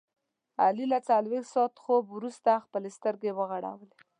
علي له څلوریشت ساعته خوب ورسته خپلې سترګې وغړولې.